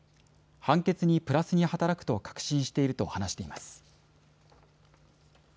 判決にプラスに働くと確信していると話しています。